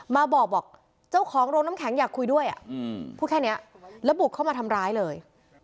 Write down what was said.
มาบอกบอกเจ้าของโรงน้ำแข็งอยากคุยด้วยพูดแค่นี้แล้วบุกเข้ามาทำร้ายเลย